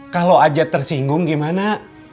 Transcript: kalau ajat tersinggung gimana